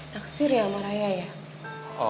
taksir ya sama raya ya